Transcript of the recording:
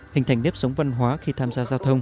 hình thành nếp sống văn hóa khi tham gia giao thông